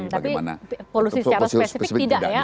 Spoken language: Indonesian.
tapi polusi secara spesifik tidak ya